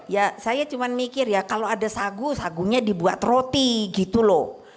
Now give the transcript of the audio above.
ya saya cuma mikir ya kalau ada sagu sagunya dibuat roti gitu loh